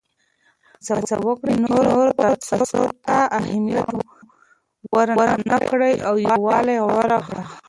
هڅه وکړه چې د نورو تعصب ته اهمیت ورنه کړې او یووالی غوره کړه.